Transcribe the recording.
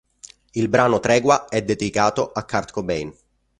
Il brano "Tregua" è dedicato a Kurt Cobain.